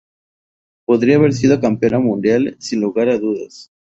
Podría haber sido campeona mundial sin lugar a dudas.